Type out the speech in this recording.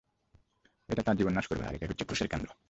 এটা তার জীবননাশ করবে, তাই এটাই হচ্ছে ক্রুশের কেন্দ্র।